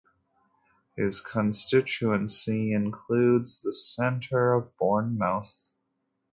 His constituency includes the centre of Bournemouth.